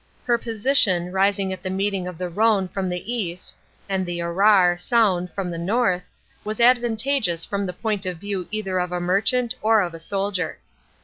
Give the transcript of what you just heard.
Her position, rising at the meeting of the Rhone from the east and the Arar (Saoue) from the north, was advan tageous from the point of view either of a merchant or of a soldier.